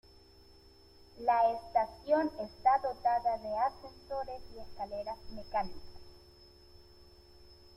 La estación está dotada de ascensores y escaleras mecánicas.